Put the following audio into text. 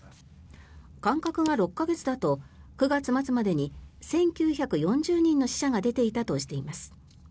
間隔が６か月だと９月末までに１９４０人の死者が出ていたとしています。